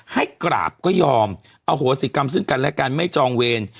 ให้กราบก็ยอมอโหสิกรรมซึ่งกันและกันไม่จองเวร